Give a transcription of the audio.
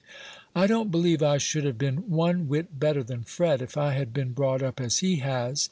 "I don't believe I should have been one whit better than Fred, if I had been brought up as he has.